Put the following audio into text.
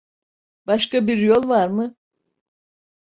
Başka bir yol var mı?